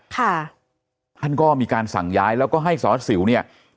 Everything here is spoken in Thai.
ท่านก็มีการสั่งย้ายแล้วก็ให้สารวัสสิวเนี่ย